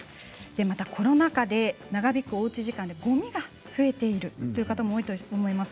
またコロナ禍で長引くおうち時間でごみが増えているという方も多いと思います。